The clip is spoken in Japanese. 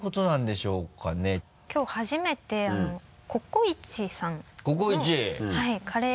きょう初めて「ココイチ」さんの。